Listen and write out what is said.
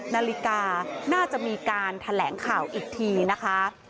นาฬิกาน่าจะมีการแถลงข่าวอีกทีนะคะ